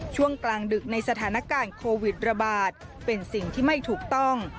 ช่วงกลางดึกในสถานการณ์โควิดระบาดเป็นสิ่งที่ไม่ถูกต้อง